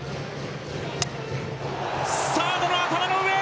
サードの頭の上！